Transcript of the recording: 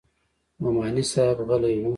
نعماني صاحب غلى و.